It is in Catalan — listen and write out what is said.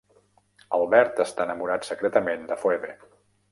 Albert està enamorat secretament de Phoebe.